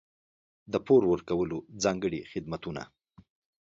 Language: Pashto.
د پور ورکولو ځانګړي خدمتونه.